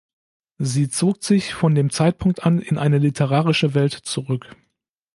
Sie zog sich von dem Zeitpunkt an in eine literarische Welt zurück.